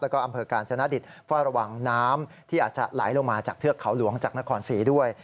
แล้วก็อำเภอกาญชนะดิตเฝ้าระวังน้ำที่อาจจะไหลลงมาจากเทือกเขาหลวงจากนครศรีด้วย